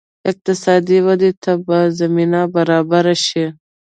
اقتصادي ودې ته به زمینه برابره شي.